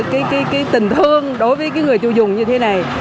đã có vì cái tình thương đối với cái người chủ dùng như thế này